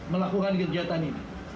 melakukan kegiatan ini